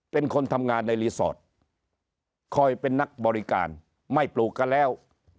เป็นคนทำงานในรีสอร์ทคอยเป็นนักบริการไม่ปลูกกันแล้ว